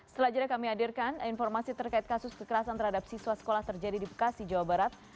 setelah jeda kami hadirkan informasi terkait kasus kekerasan terhadap siswa sekolah terjadi di bekasi jawa barat